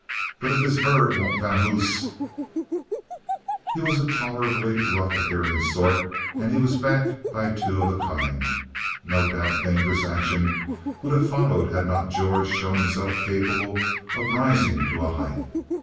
But if this bird won't vamoose " He was a tolerably rough appearing sort and he was backed by two of a kind. No doubt dangerous action would have followed had not George shown himself capable of rising to a height.